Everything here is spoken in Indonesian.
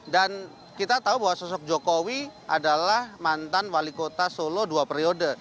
dan kita tahu bahwa sosok jokowi adalah mantan wali kota solo dua periode